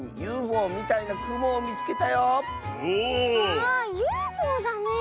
あＵＦＯだねえ。